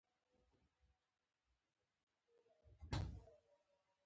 شین او سمسور دی.